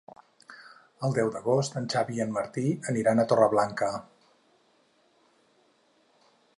El deu d'agost en Xavi i en Martí aniran a Torreblanca.